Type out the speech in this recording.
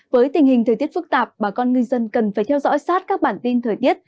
với tình hình thời tiết phức tạp bà con ngư dân cần phải theo dõi sát các bản tin thời tiết